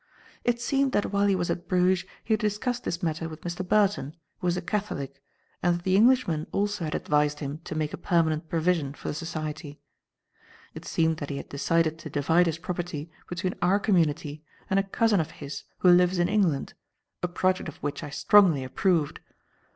It seemed that while he was at Bruges he had discussed this matter with Mr. Burton, who was a Catholic, and that the Englishman also had advised him to make a permanent provision for the Society. It seemed that he had decided to divide his property between our community and a cousin of his who lives in England, a project of which I strongly approved.